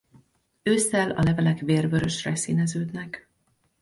Ősszel a levelek vérvörösre színeződnek.